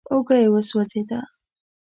اوږه يې وسوځېده.